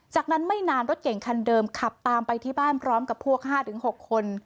จากนั้นไม่นานรถเก่งคันเดิมขับตามไปที่บ้านพร้อมกับพวก๕๖คน